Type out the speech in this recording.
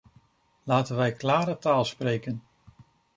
Laten wij klare taal spreken.